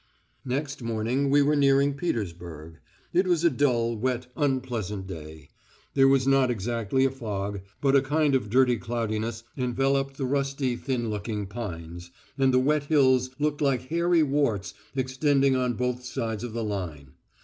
Next morning we were nearing Petersburg. It was a dull, wet, unpleasant day. There was not exactly a fog, but a kind of dirty cloudiness enveloped the rusty, thin looking pines, and the wet hills looked like hairy warts extending on both sides of the line.